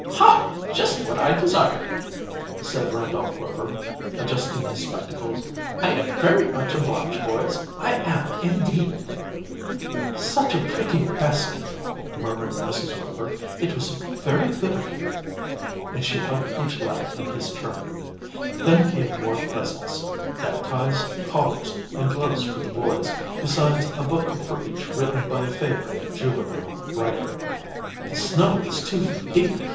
"Ha! Just what I desired!" said Randolph Rover, adjusting his spectacles. "I am very much obliged, boys I am, indeed!" "Such a pretty basket!" murmured Mrs. Rover. "It was very good of you!" and she, hugged each lad in his turn. Then came more presents neckties, collars, and gloves for the boys, besides a book for each written by a favorite juvenile writer. "The snow is two feet deep!"